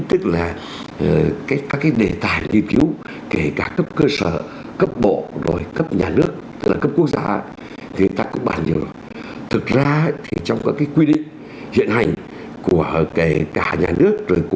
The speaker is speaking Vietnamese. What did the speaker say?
hãy đăng ký kênh để ủng hộ kênh của mình nhé